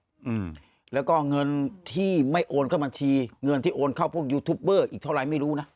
อืมแล้วก็เงินที่ไม่โอนเข้าบัญชีเงินที่โอนเข้าพวกยูทูปเบอร์อีกเท่าไรไม่รู้นะ